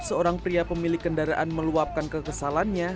seorang pria pemilik kendaraan meluapkan kekesalannya